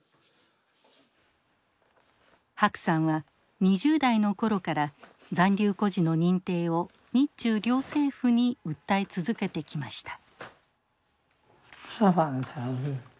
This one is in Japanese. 白さんは２０代の頃から残留孤児の認定を日中両政府に訴え続けてきました。